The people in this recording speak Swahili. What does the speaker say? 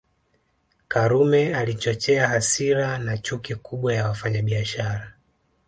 Karume alichochea hasira na chuki kubwa ya wafanyabiashara